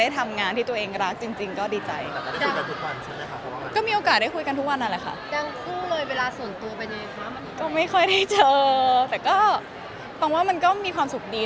แต่ก็ปังว่ามันก็มีความสุขดี